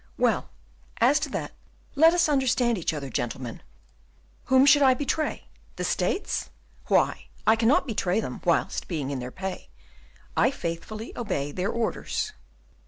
"Well, as to that, let us understand each other gentlemen. Whom should I betray? The States? Why, I cannot betray them, whilst, being in their pay, I faithfully obey their orders."